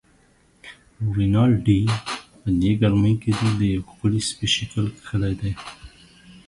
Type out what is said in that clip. رینالډي: په دې ګرمۍ کې دې د یوه ښکلي سپي شکل کښلی دی.